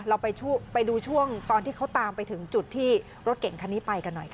เราไปดูช่วงตอนที่เขาตามไปถึงจุดที่รถเก่งคันนี้ไปกันหน่อยค่ะ